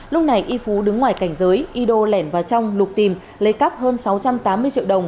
lúc này yifu đứng ngoài cảnh giới yido lẻn vào trong lục tìm lấy cắp hơn sáu trăm tám mươi triệu đồng